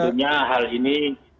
tentunya hal ini